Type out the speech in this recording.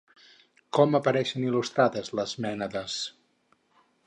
Com apareixien il·lustrades les mènades?